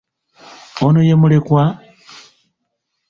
Ono ye mulekwa?